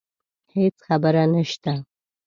هیڅ خبره نشته